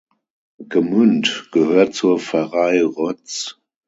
Gmünd gehört zur Pfarrei Rötz.